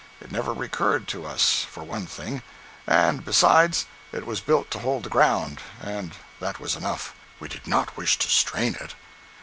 It never recurred to us, for one thing; and besides, it was built to hold the ground, and that was enough. We did not wish to strain it.